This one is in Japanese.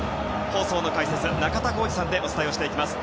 放送の解説は中田浩二さんでお伝えしていきます。